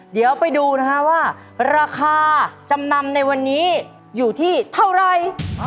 เดี๋ยวไปดูนะฮะว่าราคาจำนำในวันนี้อยู่ที่เท่าไร